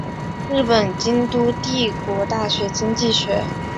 日本京都帝国大学经济学专攻毕业。